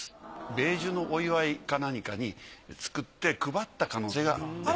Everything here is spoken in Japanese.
米寿のお祝いか何かに作って配った可能性がある。